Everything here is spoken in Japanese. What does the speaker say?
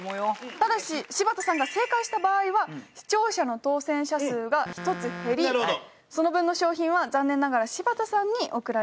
ただし柴田さんが正解した場合は視聴者の当選者数が１つ減りその分の賞品は残念ながら柴田さんに贈られちゃいます。